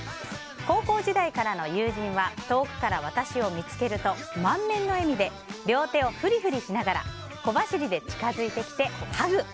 高校時代からの友人は遠くから私を見つけると、満面の笑みで両手をふりふりしながら小走りで近づいてきてハグ。